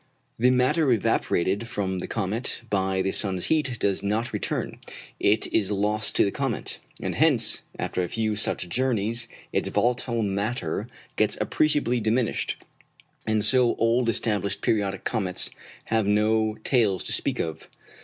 The matter evaporated from the comet by the sun's heat does not return it is lost to the comet; and hence, after a few such journeys, its volatile matter gets appreciably diminished, and so old established periodic comets have no tails to speak of.